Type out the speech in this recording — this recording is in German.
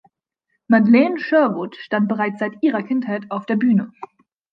Madeleine Sherwood stand bereits seit ihrer Kindheit auf der Bühne.